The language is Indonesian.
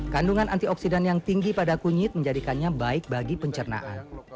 kandungan antioksidan yang tinggi pada kunyit menjadikannya baik bagi pencernaan